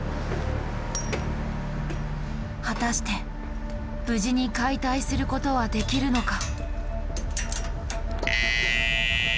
果たして無事に解体することはできるのか？